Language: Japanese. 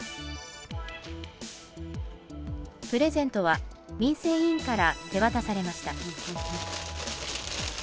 プレゼントは民生委員から手渡されました。